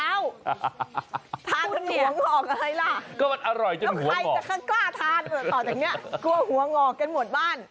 ทานกันหัวเหงาอกอะไรล่ะแล้วใครจะกล้าทานต่อจากเนี่ยกลัวหัวเหงาอกกันหมดบ้าน